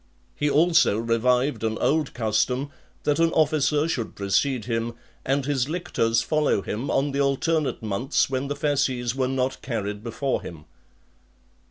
He also revived an old custom, that an officer should precede him, and his lictors follow him, on the alternate months when the fasces were not carried before him.